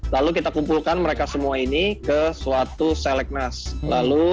lalu kita kumpulkan mereka semua ini ke suatu selek nas